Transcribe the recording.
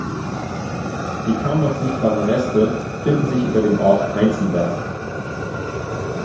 Die kaum noch sichtbaren Reste finden sich über dem Ort Heinzenberg.